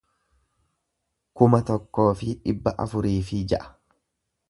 kuma tokkoo fi dhibba afurii fi ja'a